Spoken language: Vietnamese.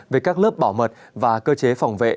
về các lớp bảo mật và cơ chế phòng vệ